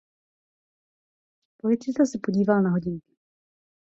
Policista se podíval na hodinky.